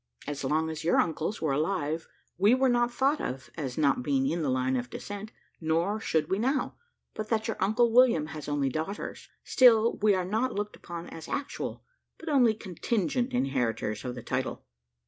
As long as your uncles were alive, we were not thought of, as not being in the line of descent; nor should we now, but that your uncle William has only daughters. Still we are not looked upon as actual, but only contingent, inheritors of the title.